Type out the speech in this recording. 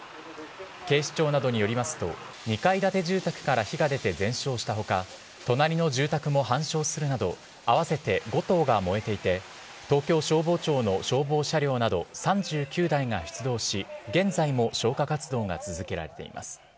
警視庁などによりますと２階建て住宅から火が出て全焼した他隣の住宅も半焼するなど合わせて５棟が燃えていて東京消防庁の消防車両など３９台が出動し現在も消火活動が続けられています。